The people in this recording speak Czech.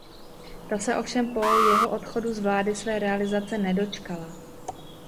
Ta se ovšem po jeho odchodu z vlády své realizace nedočkala.